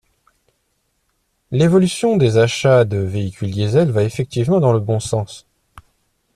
L’évolution des achats de véhicules diesel va effectivement dans le bon sens.